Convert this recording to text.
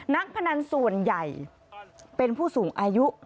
นักพนันส่วนใหญ่เป็นผู้สูงอายุ